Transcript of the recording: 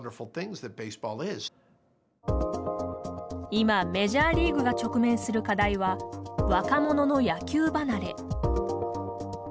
今メジャーリーグが直面する課題は若者の野球離れ。